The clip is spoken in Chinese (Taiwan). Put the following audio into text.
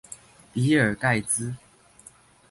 比爾蓋茲